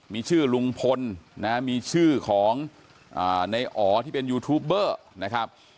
มีชื่อลุงพลนะมีชื่อของในอ๋อที่เป็นยูทูปเบอร์นะครับ